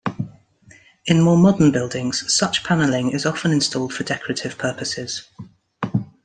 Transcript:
In more modern buildings, such panelling is often installed for decorative purposes.